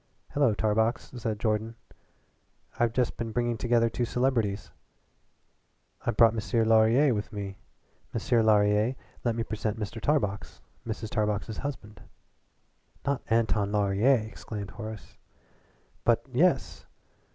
"Hello Tarbox," said Jordan. "I've just been bringing together two celebrities. I've brought M'sieur Laurier out with me. M'sieur Laurier, let me present Mr. Tarbox, Mrs. Tarbox's husband." "Not Anton Laurier!" exclaimed Horace. "But, yes.